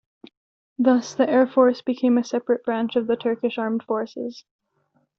Thus, the Air Force became a separate branch of the Turkish Armed Forces.